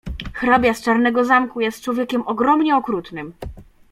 "Hrabia z Czarnego zamku jest człowiekiem ogromnie okrutnym."